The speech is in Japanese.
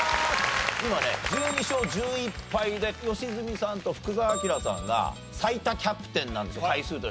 今ね１２勝１１敗で良純さんと福澤朗さんが最多キャプテンなんですよ回数として。